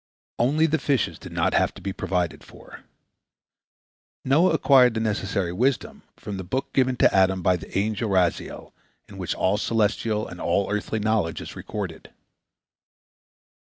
Only the fishes did not have to be provided for. Noah acquired the necessary wisdom from the book given to Adam by the angel Raziel, in which all celestial and all earthly knowledge is recorded.